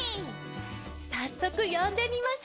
さっそくよんでみましょう。